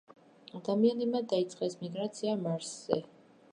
ადამიანებმა დაიწყეს მიგრაცია მარსზე.